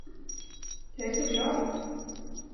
Jag är så glad.